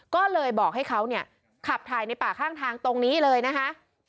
ก็เลยบอกให้เขาเนี่ยขับถ่ายในป่าข้างทางตรงนี้เลยนะคะ